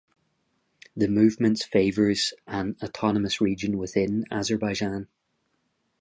The movements favors an autonomous region within Azerbaijan.